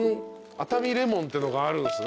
熱海レモンってのがあるんすね。